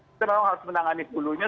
kita memang harus menangani sepuluhnya